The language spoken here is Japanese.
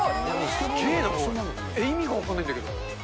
すっげぇな、えっ、意味が分からないんだけど。